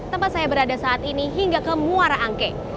tempat saya berada saat ini hingga ke muara angke